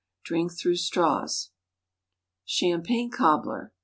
Drink through straws. _Champagne Cobbler.